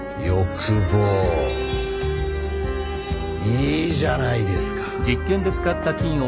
いいじゃないですか。